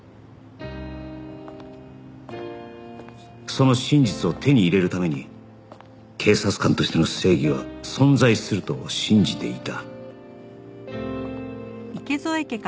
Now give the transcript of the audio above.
その真実を手に入れるために警察官としての正義は存在すると信じていた